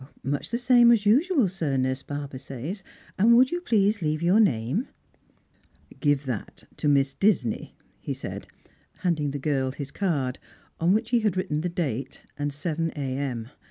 " Much the same as usual, sir, Nurse Barber says, and would you please leave your name ?"" Give that to Miss Disney," he said, handing the girl his card, on which he had written the date, and 7 a.m.